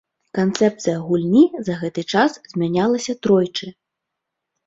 Канцэпцыя гульні за гэты час змянялася тройчы.